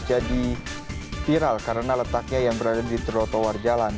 jadi viral karena letaknya yang berada di troto war jalan